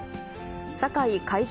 酒井海上